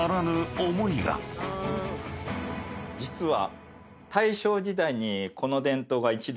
実は。